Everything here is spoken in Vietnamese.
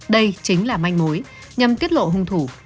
đây chính là manh mối nhằm tiết lộ hung thủ